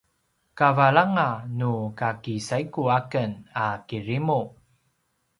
kavalanga nukaki saigu aken a kirimu